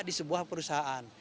itu adalah perusahaan